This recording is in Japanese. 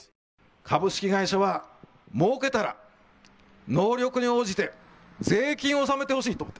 株式会社は、もうけたら能力に応じて税金を納めてほしいと。